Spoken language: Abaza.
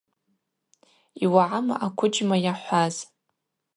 Йуагӏама аквыджьма йахӏваз?